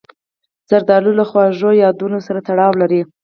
زردالو له خواږو یادونو سره تړاو لري.